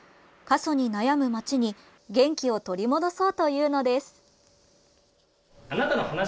過疎に悩む町に元気を取り戻そうというのです。